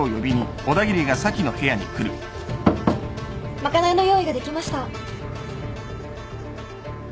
まかないの用意ができました。